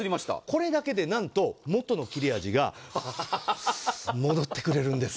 これだけでなんと元の切れ味が戻ってくれるんです。